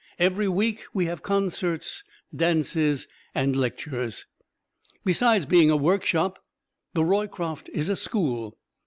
Every week we have concerts, dances, lectures. Besides being a workshop, the Roycroft is a School.